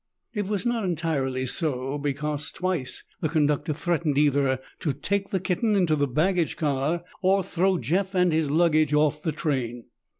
It was not entirely so because twice the conductor threatened either to take the kitten into the baggage car or throw Jeff and his luggage off the train.